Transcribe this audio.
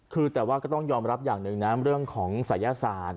คือแต่ว่าก็ต้องยอมรับอย่างหนึ่งนะเรื่องของศัยศาสตร์